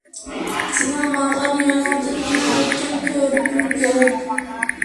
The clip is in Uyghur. سېنىڭ ماڭغان يولۇڭدىن، مېنىڭ ئۆتكەن كۆۋرۈكۈم كۆپ.